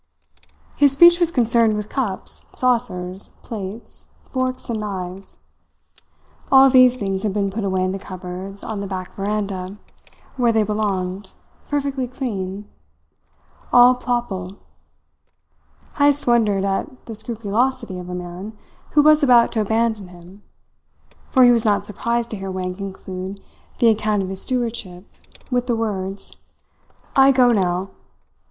His speech was concerned with cups, saucers, plates, forks, and knives. All these things had been put away in the cupboards on the back veranda, where they belonged, perfectly clean, "all plopel." Heyst wondered at the scrupulosity of a man who was about to abandon him; for he was not surprised to hear Wang conclude the account of his stewardship with the words: "I go now."